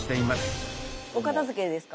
お片づけですか？